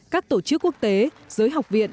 các tổ chức quốc tế giới học viện